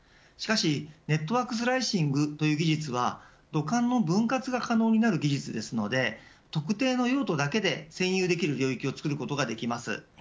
しかしネットワークスライシングという技術は土管の分割が可能になる技術ですので特定の用途だけで占有できる領域を作ることができます。